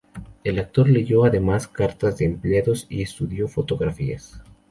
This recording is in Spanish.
El actor leyó además cartas de empleados y estudió fotografías.